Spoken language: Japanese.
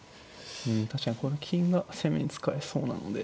うん確かにこの金が攻めに使えそうなので。